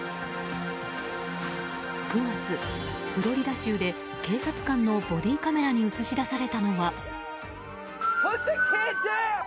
９月、フロリダ州で警察官のボディーカメラに映し出されたのは。